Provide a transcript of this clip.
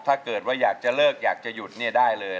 ถ้าเกิดว่าอยากจะเลิกอยากจะหยุดเนี่ยได้เลย